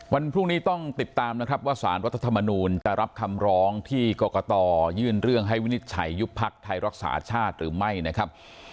วันพรุ่งนี้ต้องติดตามนะครับว่าสารรัฐธรรมนูลจะรับคำร้องที่กรกตยื่นเรื่องให้วินิจฉัยยุบพักไทยรักษาชาติหรือไม่นะครับ